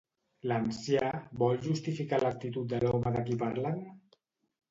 L'ancià vol justificar l'actitud de l'home de qui parlen?